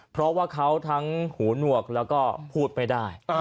เพราะว่าเขาทั้งหูหนวกแล้วก็พูดไม่ได้